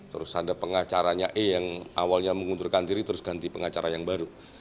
terus ada pengacaranya e yang awalnya mengundurkan diri terus ganti pengacara yang baru